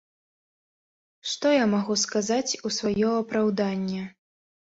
Што я магу сказаць у сваё апраўданне?